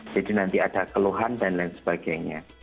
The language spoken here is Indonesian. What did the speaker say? jadi nanti ada keluhan dan lain sebagainya